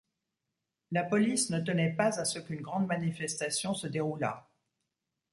La police ne tenait pas à ce qu'une grande manifestation se déroulât.